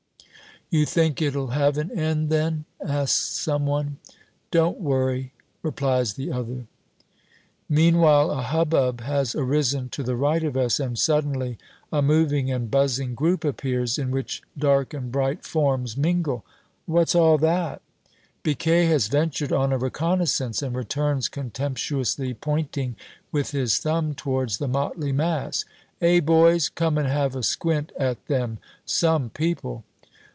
"You think it'll have an end, then?" asks some one. "Don't worry!" replies the other. Meanwhile, a hubbub has arisen to the right of us, and suddenly a moving and buzzing group appears, in which dark and bright forms mingle. "What's all that?" Biquet has ventured on a reconnaissance, and returns contemptuously pointing with his thumb towards the motley mass: "Eh, boys! Come and have a squint at them! Some people!"